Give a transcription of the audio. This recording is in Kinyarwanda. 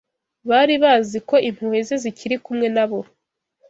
Bari bazi ko impuhwe ze zikiri kumwe nabo